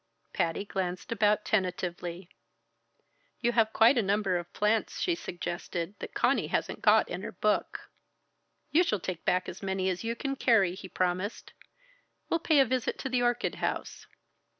Patty glanced about tentatively. "You have quite a number of plants," she suggested, "that Conny hasn't got in her book." "You shall take back as many as you can carry," he promised. "We'll pay a visit to the orchid house."